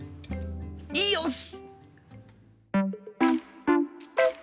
よし！